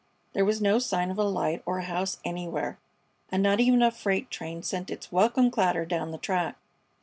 There was no sign of a light or a house anywhere, and not even a freight train sent its welcome clatter down the track.